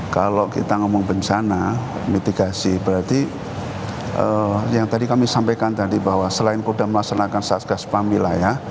kalau kita ngomong bencana mitigasi berarti yang tadi kami sampaikan tadi bahwa selain kodam melaksanakan satgas pam wilayah